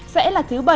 sẽ là thứ bảy